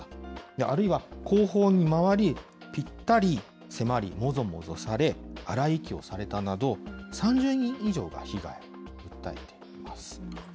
あるいは後方に回り、ぴったり迫り、もぞもぞされ、荒い息をされたなど、３０人以上が被害を訴えています。